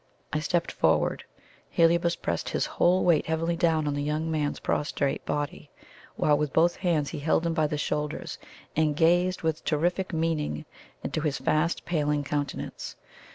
I stepped forward. Heliobas pressed his whole weight heavily down on the young man's prostrate body, while with both hands he held him by the shoulders, and gazed with terrific meaning into his fast paling countenance.